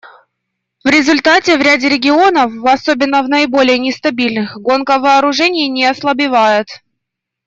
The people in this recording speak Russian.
В результате в ряде регионов, особенно в наиболее нестабильных, гонка вооружений не ослабевает.